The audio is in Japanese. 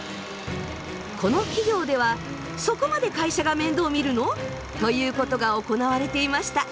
この企業では「そこまで会社が面倒見るの？」ということが行われていました。